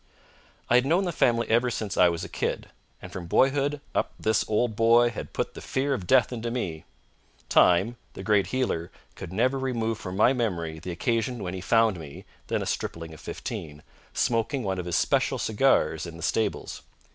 I had known the family ever since I was a kid, and from boyhood up this old boy had put the fear of death into me. Time, the great healer, could never remove from my memory the occasion when he found me then a stripling of fifteen smoking one of his special cigars in the stables.